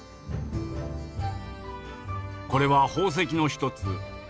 これは宝石の一つ琥珀。